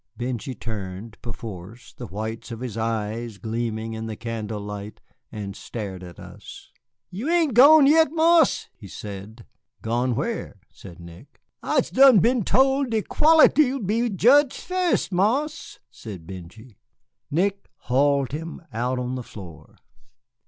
Benjy turned, perforce, the whites of his eyes gleaming in the candle light, and stared at us. "You ain't gone yit, Marse," he said. "Gone where?" said Nick. "I'se done been tole de quality 'll be jedged fust, Marse," said Benjy. Nick hauled him out on the floor.